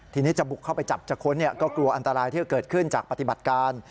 ทีนี้จะบุกเข้าไปจับจะค้นก็กลัวอันตรายที่จะเกิดขึ้นจากปฏิบัติการ